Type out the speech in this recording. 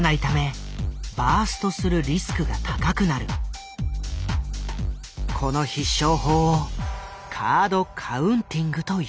一方この必勝法をカード・カウンティングという。